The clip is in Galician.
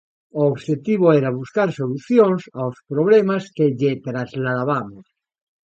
O obxectivo era buscar solucións aos problemas que lle trasladabamos.